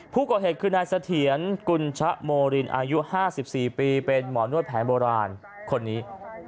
ผู้ก่อเหตุคือนายเสถียรกุญชะโมรินอายุ๕๔ปีเป็นหมอนวดแผนโบราณคนนี้